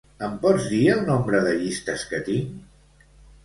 Em pots dir el nombre de llistes que tinc?